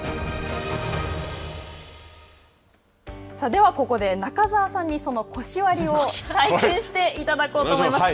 では、ここで中澤さんにその腰割りを体験していただこうと思います。